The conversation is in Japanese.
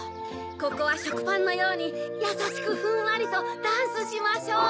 ここはしょくパンのようにやさしくふんわりとダンスしましょう！